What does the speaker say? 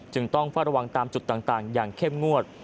ต้องเฝ้าระวังตามจุดต่างอย่างเข้มงวด